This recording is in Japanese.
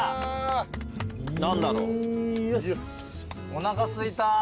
おなかすいた。